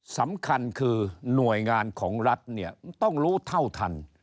สำคัญคือหน่วยงานของรัฐเนี่ยต้องรู้เท่าทัน